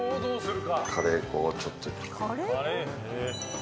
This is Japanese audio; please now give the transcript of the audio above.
カレー粉をちょっと入れます。